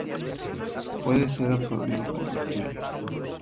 Puede ser absorbido por la piel.